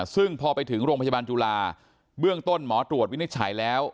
ซึ่งพอไปถึงโรงพยาบาลจุฬาเบื้องต้นหมอตรวจวินิจฉัยแล้ว